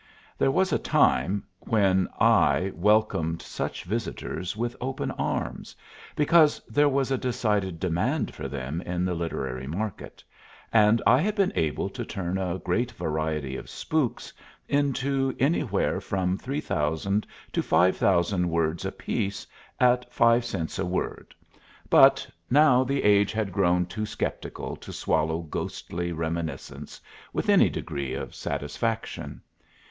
There was a time when I welcomed such visitors with open arms, because there was a decided demand for them in the literary market, and I had been able to turn a great variety of spooks into anywhere from three thousand to five thousand words apiece at five cents a word, but now the age had grown too sceptical to swallow ghostly reminiscence with any degree of satisfaction.